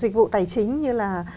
dịch vụ tài chính như là